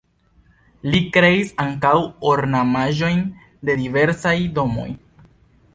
Li kreis ankaŭ ornamaĵojn de diversaj domoj.